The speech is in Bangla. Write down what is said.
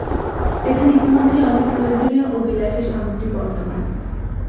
সেখানে ইতিমধ্যেই অনেক প্রয়োজনীয় ও বিলাসের সামগ্রী বর্তমান।